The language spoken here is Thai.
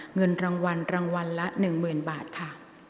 เงินรางวัลรางวัลละ๑๐๐๐บาทค่ะ